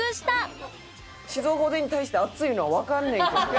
静岡おでんに対して熱いのはわかんねんけど。